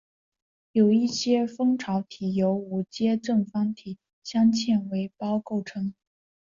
有一些蜂巢体由五阶正方形镶嵌为胞构成